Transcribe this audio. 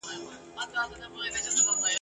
دسبا د جنګ په تمه ..